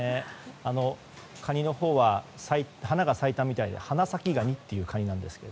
カニのほうは花が咲いたみたいでハナサキガニっていうカニなんですよ。